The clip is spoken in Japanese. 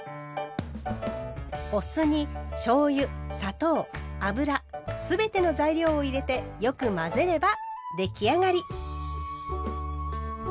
お酢にしょうゆ砂糖油すべての材料を入れてよく混ぜれば出来上がり。